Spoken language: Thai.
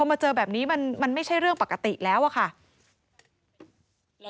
มาเจอแบบนี้มันไม่ใช่เรื่องปกติแล้วอะค่ะ